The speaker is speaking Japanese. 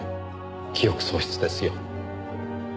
記憶喪失ですよ。